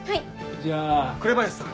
じゃあ紅林さん。